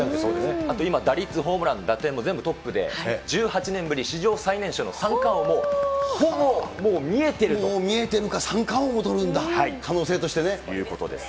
あと今打率、ホームラン、打点も全部トップで、１８年ぶり史上最年少の三冠王もほぼ見えて見えてるか、三冠王もとるんだ、可能性としてね。ということです。